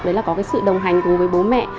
đấy là có cái sự đồng hành cùng với bố mẹ